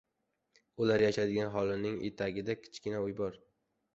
Ular yashaydigan hovlining etagida kichkina uy bor.